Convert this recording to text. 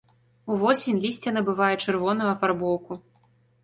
Увосень лісце набывае чырвоную афарбоўку.